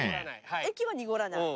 駅は濁らない。